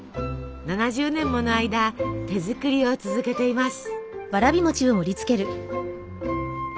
７０年もの間手作りを続けています。